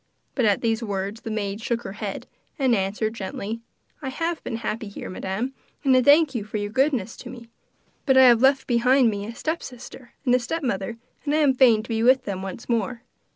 But at these words the maid shook her head, and answered gently: 'I have been happy here, Madam, and I thank you for your goodness to me; but I have left behind me a stepsister and a stepmother, and I am fain to be with them once more.